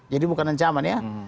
jadi bukan ancaman ya